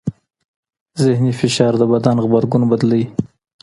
ذهني فشار د بدن غبرګون بدلوي.